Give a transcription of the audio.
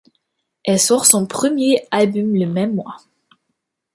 Elle sort son premier album le même mois.